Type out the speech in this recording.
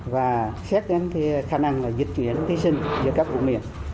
và xét đến khả năng dịch chuyển thí sinh giữa các vùng miền